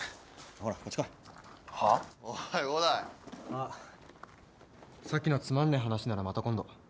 あっさっきのつまんねえ話ならまた今度。